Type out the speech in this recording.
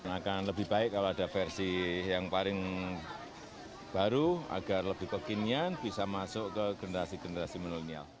akan lebih baik kalau ada versi yang paling baru agar lebih kekinian bisa masuk ke generasi generasi milenial